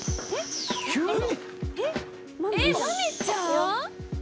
急に？